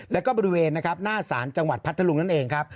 และก็บริเวณหน้าสารจังหวัดพัทธลุงนั่นเองครับ